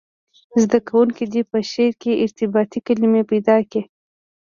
زده کوونکي دې په شعر کې ارتباطي کلمي پیدا کړي.